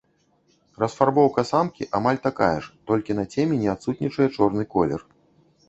Расфарбоўка самкі амаль такая ж, толькі на цемені адсутнічае чорны колер.